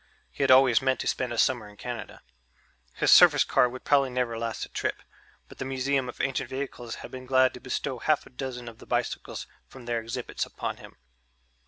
He had always meant to spend a summer in Canada. His surface car would probably never last the trip, but the Museum of Ancient Vehicles had been glad to bestow half a dozen of the bicycles from their exhibits upon him.